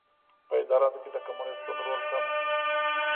په اداراتو کې د کمونېست ګوند رول کم شي.